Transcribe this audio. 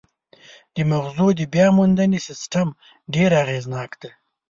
د مغزو د بیاموندنې سیستم ډېر اغېزناک دی.